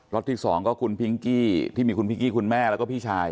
็ตที่๒ก็คุณพิงกี้ที่มีคุณพิงกี้คุณแม่แล้วก็พี่ชาย